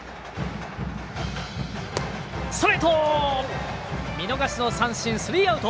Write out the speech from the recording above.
ストレート！